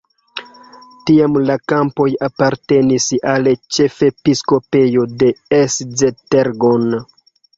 Tiam la kampoj apartenis al ĉefepiskopejo de Esztergom.